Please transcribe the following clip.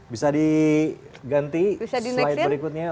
bisa diganti slide berikutnya